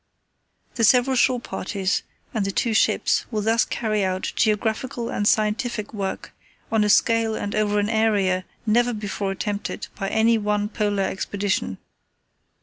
"The several shore parties and the two ships will thus carry out geographical and scientific work on a scale and over an area never before attempted by any one Polar expedition.